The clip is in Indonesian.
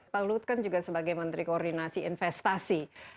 pak luhut kan juga sebagai menteri koordinasi investasi